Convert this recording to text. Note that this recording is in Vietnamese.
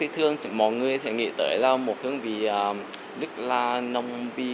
thường mọi người sẽ nghĩ tới là một hương vị rất là nông vi